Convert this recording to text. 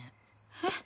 えっ？